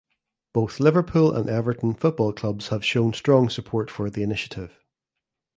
Both Liverpool and Everton football clubs have shown strong support for the initiative.